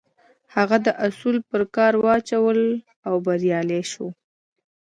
هغه دا اصول په کار واچول او بريالی شو.